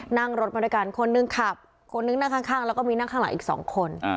นั่งรถมาด้วยกันคนหนึ่งขับคนนึงนั่งข้างแล้วก็มีนั่งข้างหลังอีกสองคน